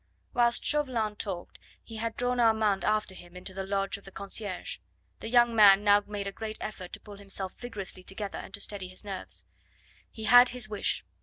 Whilst Chauvelin talked he had drawn Armand after him into the lodge of the concierge. The young man now made a great effort to pull himself vigorously together and to steady his nerves. He had his wish.